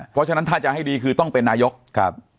เพราะฉะนั้นถ้าจะให้ดีคือต้องเป็นนายกครับ